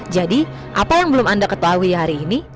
jadi apa yang belum anda ketahui hari ini